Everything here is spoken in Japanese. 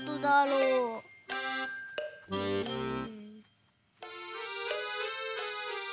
うん。